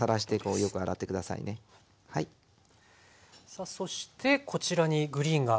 さあそしてこちらにグリーンが。